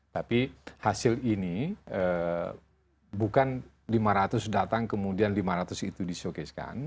tapi hasil ini bukan lima ratus datang kemudian lima ratus itu di showcasekan